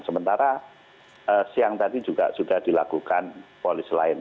sementara siang tadi juga sudah dilakukan polis lain